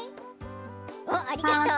おっありがとう。